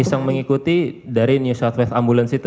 mau iseng mengikuti dari new south wales ambulance itu